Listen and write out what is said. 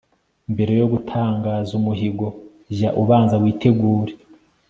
mbere yo gutangaza umuhigo, jya ubanza witegure